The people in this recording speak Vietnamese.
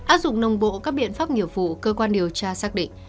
áp dụng nồng bộ các biện pháp nghiệp vụ cơ quan điều tra xác định